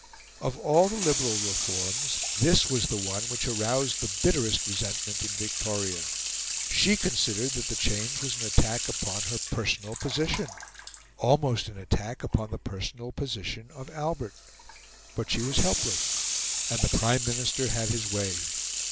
Of all the liberal reforms this was the one which aroused the bitterest resentment in Victoria. She considered that the change was an attack upon her personal position almost an attack upon the personal position of Albert. But she was helpless, and the Prime Minister had his way.